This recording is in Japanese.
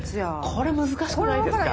これ難しくないですか？